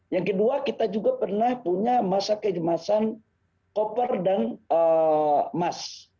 yang kedua kita juga pernah punya masa kejemasan koper dan emas